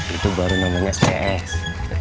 itu baru namanya sps